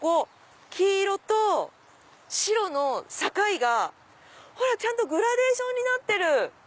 黄色と白の境がほらちゃんとグラデーションになってる。